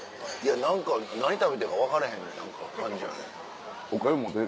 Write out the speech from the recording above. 何か何食べてええか分からへん感じやねん。